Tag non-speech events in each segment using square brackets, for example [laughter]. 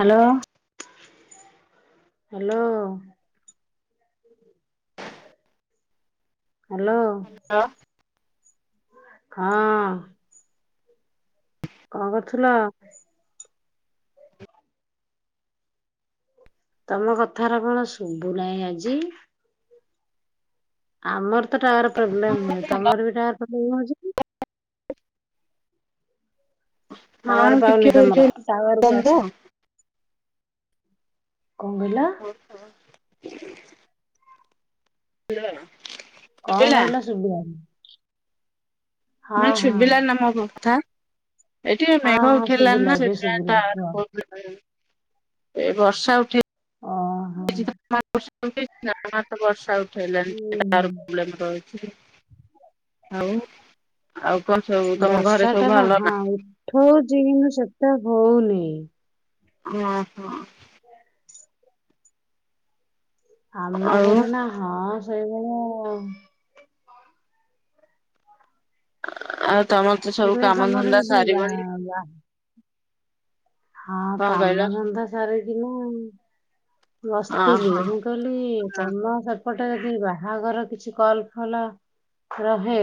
Hello hello. Hello. Hello. ହଁ। କଣ କରୁଥିଲ? ତମ କଥା ଗୁରା କଣ ଶୁଭୁ ନାହିଁ ଆଜି। ଆମର ତ ଟାୱାର ପ୍ରୋବ୍ଲେମ ହୁଏ ତମର ବି ଟାୱାର ପ୍ରୋବ୍ଲେମ ହଉଛି କି? ଟାୱର ଟିକେ ପାଉନି ତମର ଟାୱରକୁ ଆସ। କଣ କହିଲ? ହଁ ହଁ। ହାଲୋ। କଣ କହିଲା ସୁଭିଲାନି। ନାଇ ସୁଭୀଲାନି ନାଁ ମୋ କଥା। ଏଠି ପା ହଁ ମେଘ ହଁ ଉଠେଇଲାଣି ଶୁଭିଲା ନା ଏବେ ସେଥି ପାଇଁ ଶୁଭିଲା ଟାୱାର କୁହ ପ୍ରୋବ୍ଲେମ। ଏ ବର୍ଷା ଉଠେଇ ଓ ହ। [unintelligible] ବର୍ଷା ହୁଁ ହୁଁ। ଉଠେଇଲାଣି। [unintelligible] ଆଉ। ଆଉ କଣ ସବୁ ତମ ଘରେ ସବୁ ଭଲ ନା? ହଉଚି କିନ୍ତୁ ସେତେ ହଉନି। ଓ ହୋ। ଆମ ଆଉ ଘରେ ନା ହଁ ସେଇଭଳିଆ ଉ। ଆଉ ତମର ତ ମୁଁ ସବୁ କହିଲି କାମ ତମର ଧନ୍ଦା ଯଦି ବା ସାରିବଣି। ବା ହଁ କଣ କହିଲ? କାମ ଧନ୍ଦା ସାରିକିନା ଅ ବସିଥିଲି ହଁ ମୁଁ। କଲି ତମର ସେପଟେ ଯଦି ବାହାଘର କିଛି କଲଫଲ। ରହେ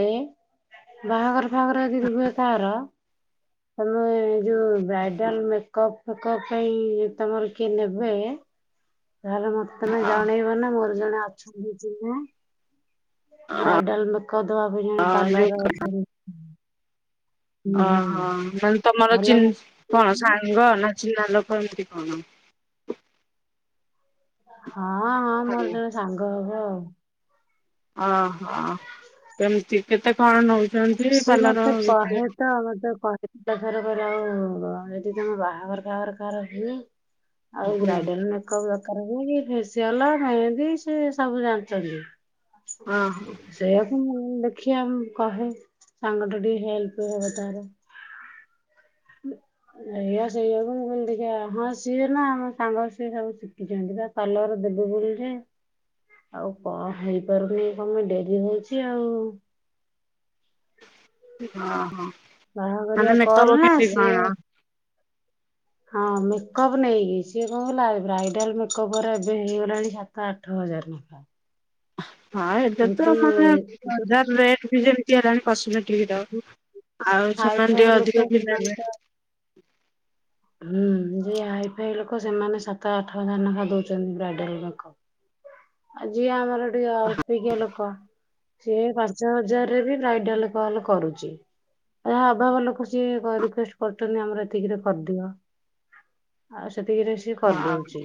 ବାହାଘର ଫାହାଘର ଯଦି ରୁହେ କାହାର ତମେ ଯୋଉ ବ୍ରାଇଡାଲ ମେକପ୍ ଫେକପ ପାଇଁ ତମର କିଏ ନେବେ ତାହେଲେ ମତେ ତମେ ଜଣେଇବ ନା ମୋର ଜଣେ ଅଛନ୍ତି ଚିହ୍ନା। ଅ ବ୍ରାଇଡାଲ ମେକଅପ ଦବା ବି ଅ ଜଣେ ପାର୍ଲର ଯୋଉ ଅଛନ୍ତି। ହୁଁ ଓହୋ ମାନେ ତମର ଭଲ ଚୀନ୍ ହଁ କଣ ସାଙ୍ଗ ନା ଚିହ୍ନା ଲୋକ ଏମିତି କଣ। ହଁ ଆ ଆଜ୍ଞା। ମୋର ଜଣେ ସାଙ୍ଗ ହବ ଆଉ। ଓହୋ କେମିତି କେତେ କଣ ନେଉଛନ୍ତି ସିଏ ପାଲର ମତେ ଗୋଟେ କହେ ତ ଆମର ତ କ ଏକାଥର କର ଆଉ ଏଠି ତମ ବାହାଘର ଫାହାଘର କାହାର ହେଇନି। [inaudible] ଆଉ ଏ ହଁ ବ୍ରାଇଡାଲ ମେକପ ଦରକାର ହଉ କି ଫେସିଆଲ ମେହେନ୍ଦୀ ସେ ସବୁ ଜାଣିଛନ୍ତି। ଓହୋ ସେଇକୁ ମୁଁ ଦେଖିଆ କହେ। ସାଙ୍ଗଟା ଟିକେ ହେଲପ ହବ ତାର। ଏଇଆ ସେଇଆକୁ ମୁଁ କହିଲି ଦେଖିଆ ହଁ ସିଏ ନା ଆମ ସାଙ୍ଗ ସିଏ ସବୁ ଶିଖିଚନ୍ତି ପା। ପାଲର ଦେବଗୁଳି ରେ। ଆଉ କଣ ହେଇପାରୁନି ତମେ ଡେରି ହଉଚି ଆଉ। ଅ ହଁ ବାହାଘରିଆ ତମେ ମେକ କଲ୍ ଅପ ନା କେତେ ସିଏ ଜଣ? ହଁ ମେକଅପ୍ ନେଇକି ସିଏ କଣ କହଲ ବ୍ରାଇଡାଲ ମେକଅପ ର ଏବେ ହେଇଗଲାଣି ସାତ ଆଠ ହଜାର ନେଖା। ହଁ ଏବେ କିନ୍ତୁ ତ ମାନେ ଯୋଉ ବଜାର ରେଟ୍ ବି ଯେମତି ହେଲାଣି କଷମେଟିକ। କିର ଆଉ ହାଇ ସେମାନ ଫାଇ ଟିକେ ଲୋକ ଅଧିକ ପିଲ ସେମାନେ ନେବେ। ତ ହୁଁ ଯିଏ ହାଇ ଫାଇ ଲୋକ ସେମାନେ ସାତ ଆଠ ହଜାର ନେଖା ଦଉଚନ୍ତି ବ୍ରାଇଡାଲ ମେକ ଅପ। ଆଉ ଯିଏ ଆମର ଟିକେ ଅଳ୍ପିକିଆ ଲୋକ ସିଏ ପାଞ୍ଚ ହଜାର ରେ ବି ବ୍ରାଇଡାଲ କଲ କରୁଚି। ଆ ଅଭାବ ଲୋକ ସିଏ କ ରିକୁଏଷ୍ଟ କରିଛନ୍ତି ଆମର ଏତିକିରେ କରି ଦିଅ, ଆଉ ସେତିକିରେ ତିକିରେ ହଁ କରିଦଉଚି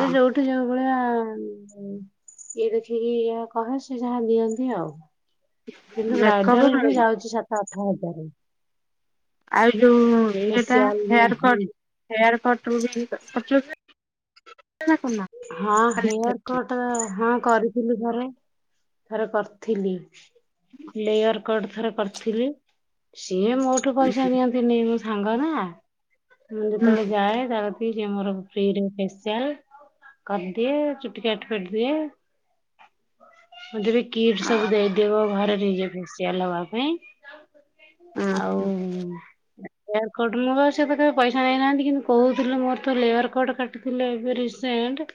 ସେ ଯୋଉ ଠି ଯୋଉ ଭଳିଆ ଇଏ ଦେଖିକି ଯା କହେ ସେ ଯାହା ଦିଅନ୍ତି ଆଉ। କିନ୍ତୁ ମେକଅପ ବ୍ରାଇଡାଲ ବି ଯାଉଚି ସାତ ଆଠ ହଜାର। ଆଉ ଯୋଉ ଇଏଟା facial hair mehndi cut hair cut ରୁ ବି କରୁଛନ୍ତି। ନା କରୁନା? ହଁ ହେୟାର କଟ ହଁ କରିଥିଲି ଥରେ ଥରେ କରିଥିଲି। ଲେୟର କଟ ଥରେ କରିଥିଲି ସିଏ ମୋ ଠୁ ପଇସା ନିଅନ୍ତିନି ମୋ ସାଙ୍ଗ ନା ମୁଁ ହୁଁ ଯେତେବେଳେ ଯାଏ ତା ରି ଫ୍ରୀ ରେ ଫେସିଆଲ। କରଦିଏ ଚୁଟି କାଟ କରି ଦିଏ ଏବେ ବି କିଟ ସବୁ ଦେଇଦବ ଘରେ ନିଜେ ଫେସିଆଲ ହବା ପାଇଁ। ଆଉ ହୁଁ ଲେୟାର କଟ ମୁଁ ବା ସେ ତ କେବେ ପଇସା ନେଇନାହାନ୍ତି କିନ୍ତୁ କହୁଥିଲେ ମୋର ତ ଲେୟାର କଟ କାଟିଥିଲେ ଏବେ ରିସ ସେନ୍ଟ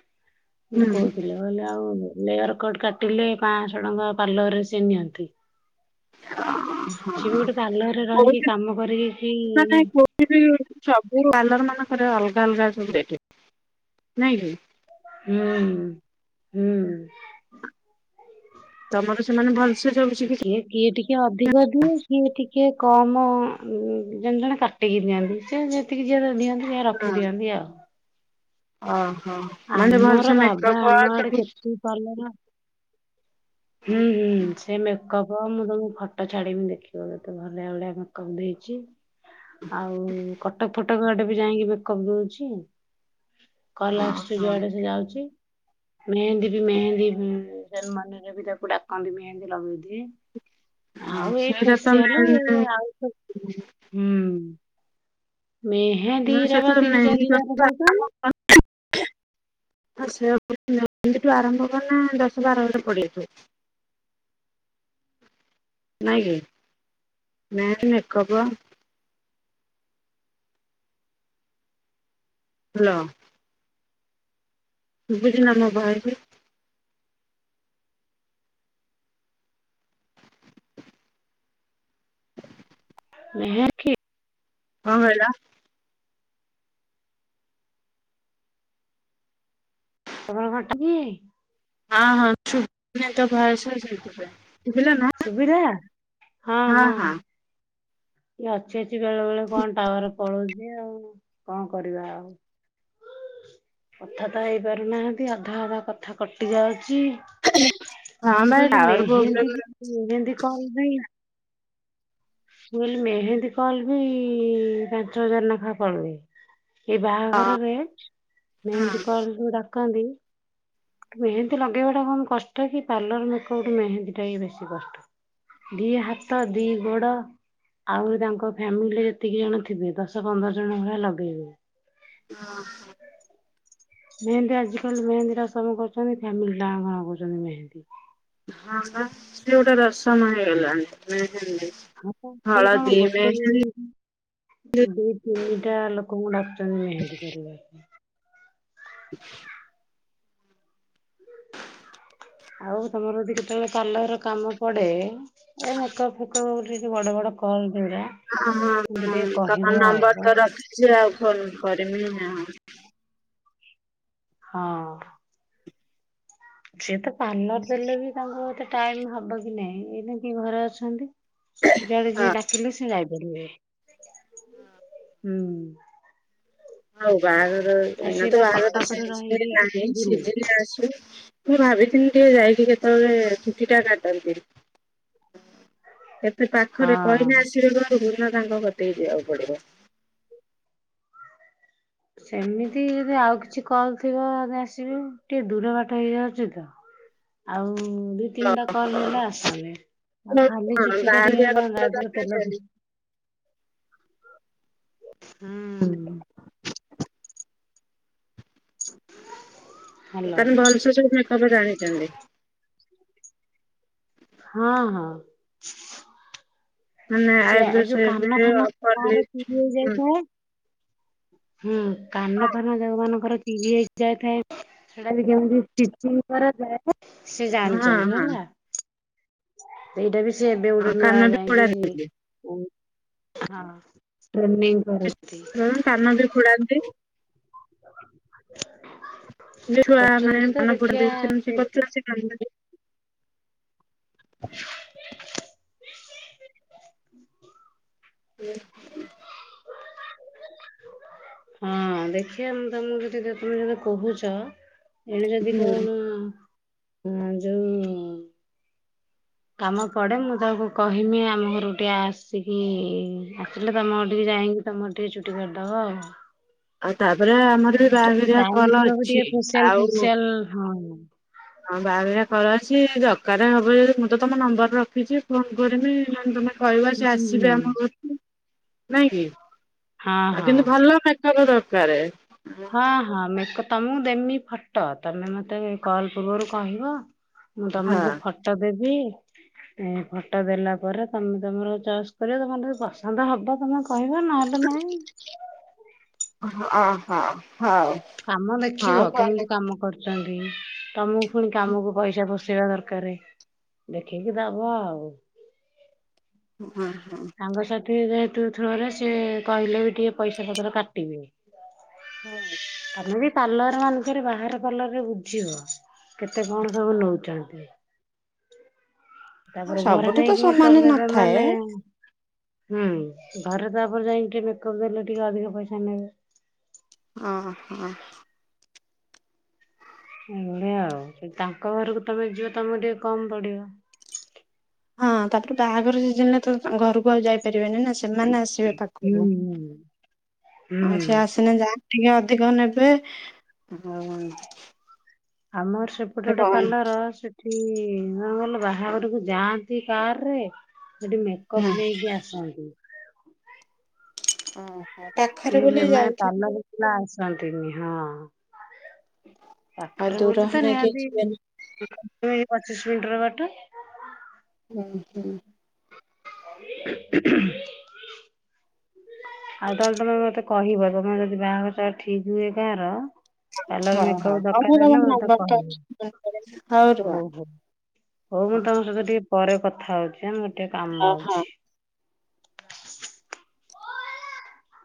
ମତେ ହୁଁ କହୁଥୁ ଲେ କହିଲେ ଆଉ ଲେୟାର କଟ କାଟିଲେ ପାଂଶ ଟଙ୍କା ପାର୍ଲର ରେ ସେ ନିଅନ୍ତି। ସିଏ ବି ଗୋଟେ ପାର୍ଲରରେ ରହିକି କାମ କରିକି କି ଇ। କିନ୍ତୁ ସବୁ ପାର୍ଲର ମାନଙ୍କରେ ଅଲଗା ଅଲଗା ସବୁ ରେଟେ ନାଇଁ କି। ହୁଁ ହୁଁ ହୁଁ। ତମର ସେମାନେ ଭଲସେ ସବୁ ଶିଖିଛ କିଏ କିଏ ଟି କିଏ ଅଧିକ ଦିଏ ସିଏ ଟିକେ କମ ଉଁ ଜଣେ ଜଣେ କାଟିକି ଦିଅନ୍ତି ସେ ଯେ ଯେତିକି ଯାହାର ଦିଅନ୍ତି ସେୟା ରଖିଦିଅନ୍ତି ଆଉ। ଓ ହୋ ମାନେ ଆମର ଭଲସେ ବାବା ମେକଅପ ଆମ ଆଡେ [unintelligible] କେତେ ପାର୍ଲର ହୁଁ ହୁଁ ହୁଁ। ସେ ମେକଅପ ମୁଁ ତମକୁ ଫଟୋ ଛାଡିମି ଦେଖିବ କେତେ ଭଲିଆ ଭଳିଆ ମେକଅପ୍ ଦେଇଛି। ଆଉ କଟକ ଫଟକ ଆଡେ ବି ଯାଇଁକି ମେକଅପ ଦଉଛି। କଲ ଆସୁଚି ଓହୋ ଯୁଆଡେ ସେ ଯାଉଛି ମେହେନ୍ଦୀ ବି ମେହେନ୍ଦୀ ଉଁ ସେମାନେ। ମେ ବି ତାକୁ ଡାକନ୍ତି ମେହେନ୍ଦି ଲଗେଇଦିଏ। ହଁ ଆଉ ଏଇ ସେଇଟା ତ ଫେସିଆଲ ଏ ମେନ୍ ଆଉ ସବୁ ହୁଁ। ମେହେନ୍ଦି ରା ବା ତିନି ଚାରି ହଜାର କରି ଦଉଛନ୍। ହ ହଁ ସେ [inaudible] ମେହେନ୍ଦି ଠୁ ଆରମ୍ଭ କନେ ଦଶ ବାର ହଜାର ପଡ଼ି ଯାଇଥିବ। ନାଇଁ କି ମେନ ମେକଅପ। ହାଲୋ। ବୁଝିିଲ ନା ଭାଇ। ମେହେ କି କଣ କହିଲ? ତମର ଘରଟା କି। ଅ ହଁ ଛୁ। ନାଇ ତୋ ଭଏସ ସେଇଥିପାଇଁ ଶୁଭିଲା ନା ସୁବିଧା ହଁ ହଁ। ଇଏ ଅଛି ଅଛି ବେଳେ ବେଳେ କଣ ଟାୱାର ପଳଉଛି ଆଉ କଣ କରିବା ଆଉ। କଥା ତ ହେଇପାରୁନାହାନ୍ତି ଅଧା ଅଧା କଥା କଟି ଯାଉଛି। ହଁ ମୁଁ ବା କହିଲି ଟାୱାର ମେହେନ୍ଦି ପ୍ରୋବ୍ଲେମ ମେହେନ୍ଦି କଲ ପାଇଁ। ମୁଁ କହିଲି ମେହେନ୍ଦୀ କଲ ବି ପାଞ୍ଚ ହଜାର ନେଖା ପଡୁନି। ଏଇ ହଁ ବାହାଘରରେ ହଁ। ମେହେନ୍ଦି କଲ ସବୁ ଡାକନ୍ତି। ମେହେନ୍ଦି ଲଗେଇବା ଟା କମ କଷ୍ଟ କି ପାର୍ଲର ମେକଅପ୍ ଠୁ ମେହେନ୍ଦୀ ଟା ହି ବେଶୀ କଷ୍ଟ। ଦି ହାତ ଦି। ଗୋଡ ଆହୁରି ତାଙ୍କ ଫ୍ୟାମିଲିରେ ଯେତିକି ଜଣ ଥିବେ ଦଶ ପନ୍ଦର ଜଣ ଭଳିଆ ଲଗେଇବେ। ଅ ହଁ। ମେହେନ୍ଦୀ ଆଜିକାଲି ମେହେନ୍ଦୀ ଟା ସବୁ କରୁଛନ୍ତି ଫ୍ୟାମିଲି ଟା ଆଙ୍କ ନଗଉଛନ୍ତି ମେହେନ୍ଦୀ। ହଁ ପା ସେ ଗୋଟେ ରସମ ହେଇଗଲାଣି ମେହେନ୍ଦି। ଆଉ ତୁ କଣ ଗୋଟେ ମେହେନ୍ଦି। ଦି ତିନିଟା ଲୋକଙ୍କୁ ଡାକୁଛନ୍ତି ମେହେନ୍ଦି କରିବାକୁ। ହ ଆଉ ତମର ଯଦି କେତେବେଳେ କଲର କାମ ପଡେ। ଏ ମେକଅପ ଫେକଅପ ଗୋଟେ ଯଉ ବଡ ବଡ କଲ ଯୋଉରା। ହଁ ହଁଁ ଏମିତି ହଁ ଟିକେ ତାଙ୍କ କହିବ ଆଉ ନମ୍ବର ତ ରଖିଛି ଆଉ ଫୋନ କରିମି ହଁ। ହଁ। ସିଏ ତ ପାର୍ଲର ଦେଲେ ବି ତାଙ୍କୁ ଏତେ ଟାଇମ ହବ କି ନାଇଁ ଏମିତି ଘରେ ଅଛନ୍ତି। ଯୁଆଡ଼େ ହଁ ଯିଏ ଡାକିଲେ ସିଏ ଯାଇପାରିବେ ହୁଁ। ଆଉ ବାହାଘର ଆଉ ଏଇନା ସିଏ ତ ବା ବାହାଘର କଟକରେ ରହିକି ସିଜିନି ନାହିଁ ଶିଖିଥିଲେ ସିଜିନି ଆସୁ। ମୁଁ ଭାବିଥିଲି ଟିକେ ଯାଇକି କେତେବେଳେ ଛୁଟି ଟା କାଟନ୍ତି ଏତେ ପାଖରେ କଇନା ହଁ। ଆସି ବେ ଘରକୁ ନ ତାଙ୍କ ଘର ଠିକ୍ ଯିବାକୁ ପଡିବ। ସେମିତି ଯଦି ଆଉ କିଛି କଲ ଥିବେ ଆସିବ ଟିକେ ଦୂର ବାଟ ହେଇଯାଉଛି ତ ଆଉ ବି ତିନିଟା କଲ୍ ହେଲା ଆଶୁନି ଆଉ ଖାଲି ହଁ ଚୁଟ କାଟିକ ବାହାଘରିଆ କଥା ଆଇଥାନ୍ତା ଏବେ ତେଲ ଜାଣିଛନ୍ତି। ହୁଁ। [unintelligible] ଏକାନି ଭଲସେ ସବୁ ମେକପ ଜାଣିଛନ୍ତି। ହଁ ହଁ। ମାନେ ସେ ଆଇବ୍ରୋ ଯୁ ସେପ କାନ ଫାନ ଅପର ଯାର ଲିପ ଚିରି ହେଇଯାଇଥାଏ। ହୁଁ କାନ ଫାନ ଯୋଉ ମାନଙ୍କର ଚିରି ହେଇଯାଇଥାଏ ସେଟା ବି କେମତି ଟିଚିଂ କରାଯାଏ ସେ ହଁ ଜାଣିଛନ୍ତି ହଁ। ହେଲା। ସେଇଟା ବି ସେ ଏବେ ଗୋଟେ ନୂଆ କାନ ବି ଯାାଇଁକି ଫୋଡାନ୍ତି ଉ ହଁ ଟ୍ରାଇଂ ହୁଁ କାନ ବି ଫୋଡାନ୍ତି। ଛୁଆ ମାନେ କରୁଛନ୍ତି ତ ମନେ ଦେଖିବା ଫୋଡନ୍ତି [unintelligible] ସେମିତି କ ଶିଖନ୍ତି [inaudible] [inaudible] ହଁ ଦେଖିବା ତମକୁ ଯଦି ତମେ ଯଦି କହୁଛ ଏଣେ ଯଦି ହୁଁ କଅଣ ଯୋଉ କାମ ପଡେ ମୁଁ ତାକୁ କହିମି ଆମ ଘରକୁ ଟିକେ ଆସିକି ଆସିଲେ ତମ ଘର ଠିକ୍ ଯାଇକି ତମର ଟିକେ ଚୁଟି କାଟିଦେବ ଆଉ। ଆଉ ତାପରେ ଆମର ବି ବାହାଘରିଆ ଟାଇମ୍ କଲ ଥିବାକୁ ଅଛି। ଟିକେ ଫେସିଆଲ ଆଉ ଫେସିଆଲ ହଁ ହଁ ବାହାଘରିଆ କଲ୍ ଅଛି ଦରକାର ହବ ଯଦି ମୁଁ ତ ତମ ନମ୍ବର ରଖିଛି। ଫୋନ୍ କରିବି ନ ହେଲେ ତମେ କହିବ ଯେ ହୁଁ ଆସିବେ ଆମ ଘରକୁ। ନାଇ କି? ହଁ ଆ ହଁ କିନ୍ତୁ ଭଲ ମେକ୍ଅପ୍ ଦରକାର। ହଁ ହଁ ମେକ୍ ତମକୁ ଦେମି ଫଟୋ ତମେ ମତେ କଲ ପୂର୍ବରୁ କହିବ। ମୁଁ ହଁ। ତମକୁ ଫଟୋ ଦେବି। ଏ ଫଟୋ ଦେଲା ପରେ ତମେ ତମର ଚଏସ୍ କରିବ ତମର ପସନ୍ଦ ହବ ତମେ କହିବ ନହେଲେ ନାଇଁ। ହଁ ହଁ ହଉ। କାମ ହଁ ଦେଖିବ ଭଲ। କେମିତି କାମ କରୁ ଛନ୍ତି ତମକୁ ପୁଣି କାମକୁ ପଇସା ପୋଷେଇବା ଦରକାର ଦେଖେଇକି ଦବ ଆଉ। ହୁଁ ହୁଁ। ସାଙ୍ଗ ସାଥୀ ଯେହେତୁ ଥ୍ରୋରେ ସିଏ କହିଲେ ବି ଟିକେ ପଇସା ପତର କାଟିବେ। ହୁଁ। ଆମେ ବି ପାର୍ଲର ମାନଙ୍କରେ ବାହାର ପାର୍ଲରରେ ବୁଝିବ କେତେ କଣ ସବୁ ନଉଛନ୍ତି। ହଁ ତାପରେ ଘରେ ସବୁଠି ତ ଯାଇକି ସମାନ ମେକ୍ଅପ୍ ଦେବେ ନଥାଏ ମାନେ ହୁଁ ଘରେ ତାପରେ ଯାଇକି ଟିକେ ମେକପ୍ ଦେଲେ ଟିକେ ଅଧିକ ପଇସା ନେବେ। ଅ ହଁ। ବଢ଼ିଆ ଆଉ ତାଙ୍କ ଘରକୁ ତମେ ଯିବ ତମକୁ ଟିକେ କମ ପଡିବ। ହଁ ତାପରେ ବାହାଘର ସିଜନ ରେ ତ ଘରକୁ ଆଉ ଯାଇପାରିବାନି ନା। ସେ ସେମାନେ ଆସିବେ ହୁଁ ପାଖକୁ ହୁଁ ହୁଁ। ଆସେ ଆଶ୍ ସିନା ଯାହା ଟିକେ ଅଧିକ ନେବେ ଆମର ସେପଟେ ସେ ଗୋଟେ କଣ ପାଲର ସେ ଠି କଣ କହିଲ ବାହାଘରକୁ ଯାଆନ୍ତି କାର ରେ ସେଠି ମେକ ହୁଁ କପ ନେଇକି ଆସନ୍ତି। ଓହୋ। ପାଖରେ ବୋଲି ଯାଉଥିବେ। ନା ଅସନ୍ତିନି ହଁ। ଆଉ ପାଖରେ ଦୂର ବୋଲିତ ହେଲେ କିଏ ନିହାତି, ଯିବେନି। ପଚିଶ ମିନିଟର ବାଟ। ହୁଁ ହୁଁ [unintelligible] ଆଉ ତାହେଲେ ତମେ ମତେ କହିବ, ତମେ ଯଦି ବାହାଘର ଟା ଠିକ କର କଲର ହଉ ମେକପ ହଉ ହଉ ମୁଁ ଦରକାର ତମ ହେଲା, ମତେ ନମ୍ବରଟା କହିବେ। ଅଛି ମନେ ପଡିଲା ହଉ ରୁହ। ହଉ ମୁଁ ତମ ସହିତ ଟିକେ ପରେ କଥା ହଉଛି ହେଲା, ଟିକେ ହଁ କାମ ହଁ। ଅଛି। ଓ